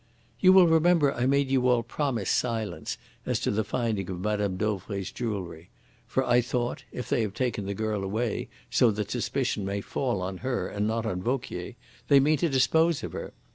"You will remember I made you all promise silence as to the finding of Mme. Dauvray's jewellery. For I thought, if they have taken the girl away so that suspicion may fall on her and not on Vauquier, they mean to dispose of her.